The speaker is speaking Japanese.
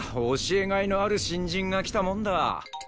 教えがいのある新人が来たもんだ。